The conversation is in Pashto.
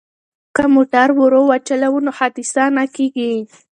که موټر ورو وچلوو نو حادثه نه کیږي.